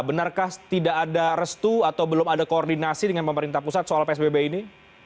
benarkah tidak ada restu atau belum ada koordinasi dengan pemerintah pusat soal psbb ini